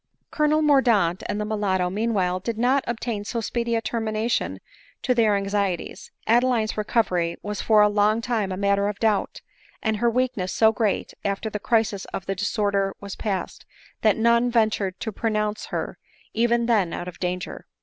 Colonel Mordaunt and the mulatto meanwhile did not obtain so speedy a termination to their anxieties ; Ade line's recovery was for a long time a matter of doubt ; and her weakness so great after the crisis of the disorder was past, that none ventured to pronounce her, even then, out of danger.